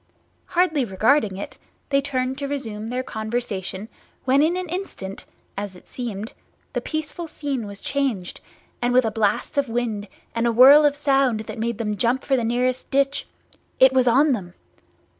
Hardly regarding it, they turned to resume their conversation, when in an instant (as it seemed) the peaceful scene was changed, and with a blast of wind and a whirl of sound that made them jump for the nearest ditch, It was on them!